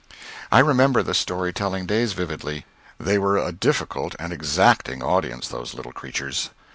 I remember the story telling days vividly. They were a difficult and exacting audience those little creatures.